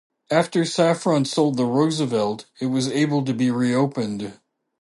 After Saffron sold the Roosevelt, it was able to be re-opened.